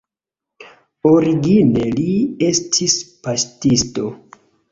Origine li estis paŝtisto.